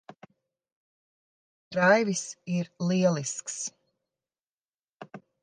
Raivis ir lielisks.